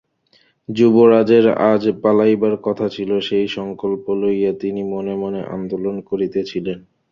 যুবরাজের আজ পলাইবার কথা ছিল– সেই সংকল্প লইয়া তিনি মনে মনে আন্দোলন করিতেছিলেন।